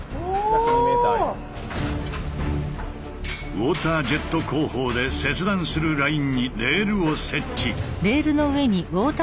ウォータージェット工法で切断するラインにレールを設置。